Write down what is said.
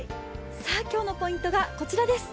今日のポイントがこちらです。